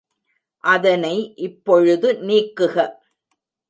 அதனை இப்பொழுது நீக்குக.